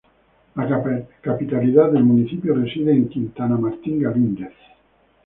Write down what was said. La capitalidad del municipio reside en Quintana-Martín Galíndez.